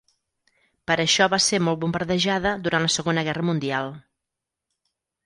Per això va ser molt bombardejada durant la Segona Guerra Mundial.